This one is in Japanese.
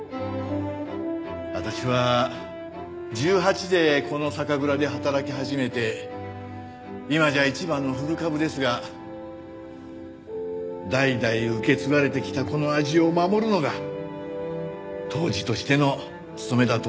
私は１８でこの酒蔵で働き始めて今じゃ一番の古株ですが代々受け継がれてきたこの味を守るのが杜氏としての務めだと思っていますよ。